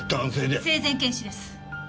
生前検視です。